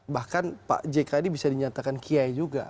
bahkan pak jk ini bisa dinyatakan kiai juga